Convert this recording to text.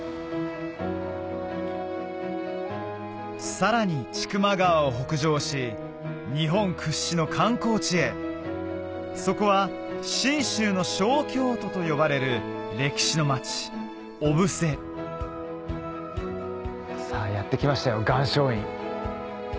さらに千曲川を北上し日本屈指の観光地へそこはと呼ばれる歴史の町さぁやって来ましたよ岩松院。